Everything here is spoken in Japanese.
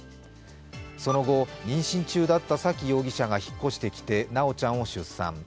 その後、妊娠中だった沙喜容疑者が引っ越してきて修ちゃんを出産。